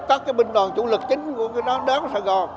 các cái binh đoàn chủ lực chính của đám sài gòn